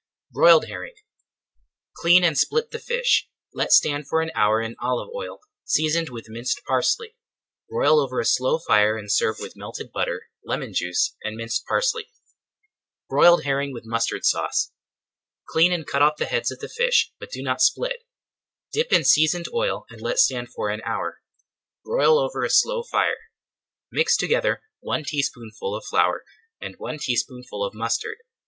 BROILED HERRING Clean and split the fish. Let stand for an hour in olive oil, seasoned with minced parsley. Broil over a slow fire and serve with melted butter, lemon juice and minced parsley. BROILED HERRING WITH MUSTARD SAUCE Clean and cut off the heads of the fish, but do not split. Dip in seasoned oil and let stand for an hour. Broil over a slow fire. Mix together one teaspoonful of flour and one tablespoonful of mustard.